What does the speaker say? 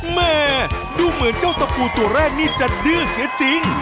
แม่ดูเหมือนเจ้าตะปูตัวแรกนี่จะดื้อเสียจริง